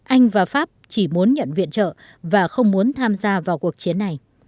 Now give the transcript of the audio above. anh và pháp chỉ muốn nhận viện trợ và không muốn tham gia